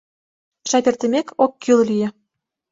Жап эртымек, оккӱл лие.